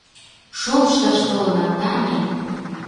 Шолышташ толынат, ане!